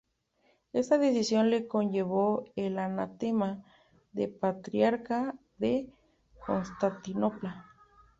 Esta decisión le conllevó el anatema del Patriarca de Constantinopla.